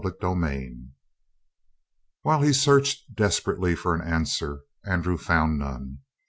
CHAPTER 40 While he searched desperately for an answer, Andrew found none.